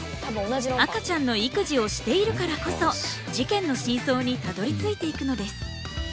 赤ちゃんの育児をしているからこそ事件の真相にたどりついていくのです。